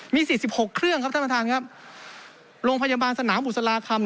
มี๔๖เครื่องต้ามทานครับโรงพยาบาลสนามอุศลาคม